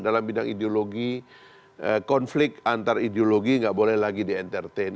dalam bidang ideologi konflik antar ideologi nggak boleh lagi di entertain